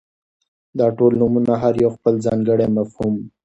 داټول نومونه هر يو خپل ځانګړى مفهوم ،